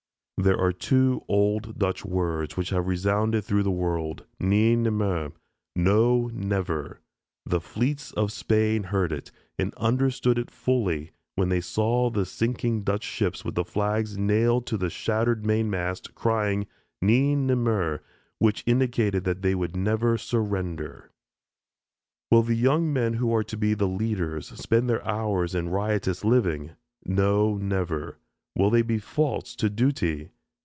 There are two old Dutch words which have resounded through the world, "Neen nimmer," "No, never." The fleets of Spain heard it, and understood it fully, when they saw the sinking Dutch ships with the flags nailed to the shattered mainmast, crying, "Neen nimmer," which indicated that they would never surrender. Will the young men who are to be the leaders, spend their hours in riotous living? No, never! Will they be false to duty?